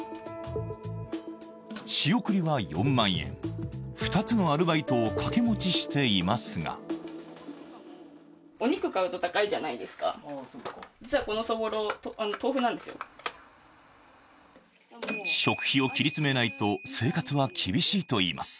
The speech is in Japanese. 仕送りは４万円、２つのアルバイトを掛け持ちしていますが食費を切り詰めないと生活は厳しいといいます。